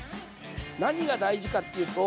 何が大事かっていうと。